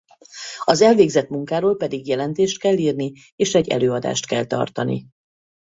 Az elvégzett munkáról pedig jelentést kell írni és egy előadást kell tartani.